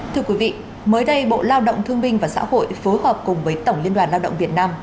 thưa quý vị mới đây bộ lao động thương minh và xã hội phối hợp cùng với tổng liên đoàn lao động việt nam